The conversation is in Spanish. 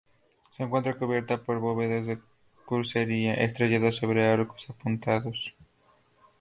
Se encuentra cubierta por bóvedas de crucería estrelladas sobre arcos apuntados.